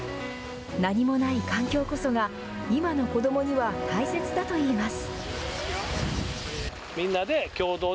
何もない環境こそが今の子どもには大切だと言います。